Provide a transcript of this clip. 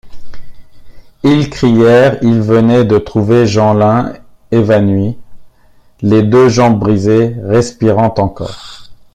Ils crièrent, ils venaient de trouver Jeanlin évanoui, les deux jambes brisées, respirant encore.